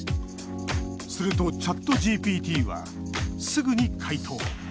すると、ＣｈａｔＧＰＴはすぐに回答。